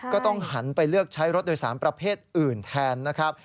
ก็ต้องหันไปเลือกใช้รถโดยสารประเภทอื่นแทนนะครับ